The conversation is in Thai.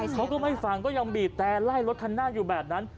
เขาก็ไม่ฟังก็ยังบีบแต่ไล่รถคันหน้าอยู่แบบนั้น